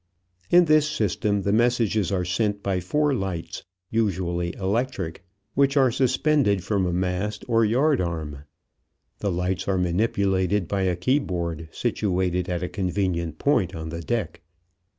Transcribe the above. In this system the messages are sent by four lights, usually electric, which are suspended from a mast or yard arm. The lights are manipulated by a keyboard situated at a convenient point on the deck.